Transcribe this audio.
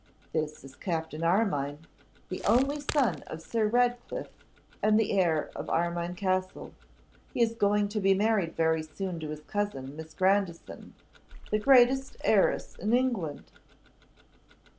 This is Captain Armine, the only son of Sir Ratcliffe, and the heir of Armine Castle. He is going to be married very soon to his cousin, Miss Grandison, the greatest heiress in England.